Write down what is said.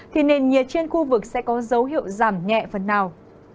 thì nền nhiệt trên khu vực sẽ có dấu hiệu giảm nhẹ phần nào